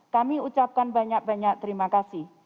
kami ucapkan banyak banyak terima kasih